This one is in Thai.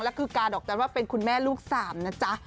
แล้วคือกาดอกจันทร์ว่าเป็นคุณแม่ลูกสามนะจ๊ะ